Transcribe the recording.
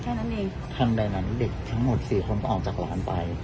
แค่นั้นเองทางดังนั้นเด็กทั้งหมด๔คนต้องออกจากหลานไป